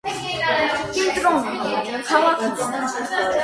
Կենտրոնը համանուն քաղաքն է։